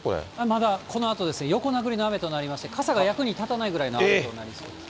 まだこのあと、横殴りの雨となりまして、傘が役に立たないぐらいの雨となりそうです。